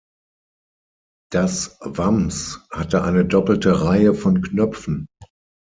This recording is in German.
Das Wams hatte eine doppelte Reihe von Knöpfen.